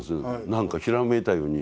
何かひらめいたように。